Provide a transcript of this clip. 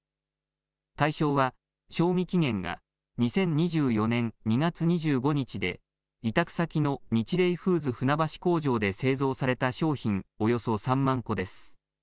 対象は、賞味期限が２０２４年２月２５日で、委託先のニチレイフーズ船橋工場で製造された商品およそ３万個です。